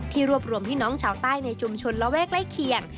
รวบรวมพี่น้องชาวใต้ในชุมชนระแวกใกล้เคียง